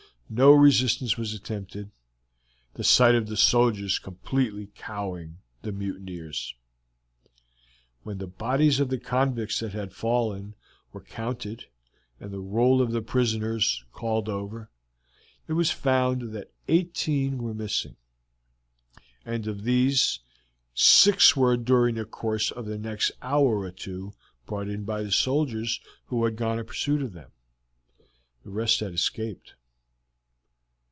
No resistance was attempted, the sight of the soldiers completely cowing the mutineers. When the bodies of the convicts that had fallen were counted and the roll of the prisoners called over, it was found that eighteen were missing, and of these six were during the course of the next hour or two brought in by the soldiers who had gone in pursuit of them. The rest had escaped.